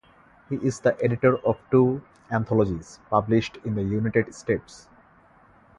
He is the editor of two anthologies published in the United States.